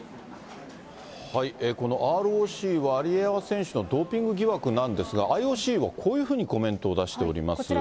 このＲＯＣ、ワリエワ選手のドーピング疑惑なんですが、ＩＯＣはこういうふうにコメントを出しております。